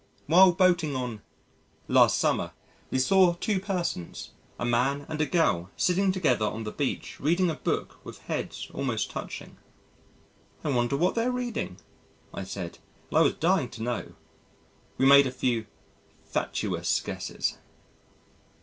While boating on last summer, we saw two persons, a man and a girl sitting together on the beach reading a book with heads almost touching. "I wonder what they're reading?" I said, and I was dying to know. We made a few facetious guesses.